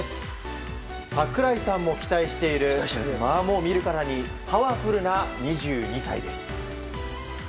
櫻井さんも期待している見るからにパワフルな２２歳です。